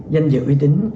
nhanh dự uy tín